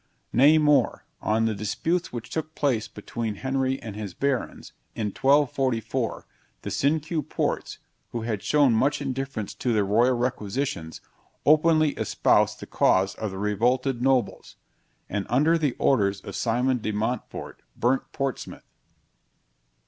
Nay more: on the disputes which took place between Henry and his Barons, in 1244, the Cinque Ports, who had shown much indifference to the royal requisitions, openly espoused the cause of the revolted nobles; and, under the orders of Simon de Montfort, burnt Portsmouth.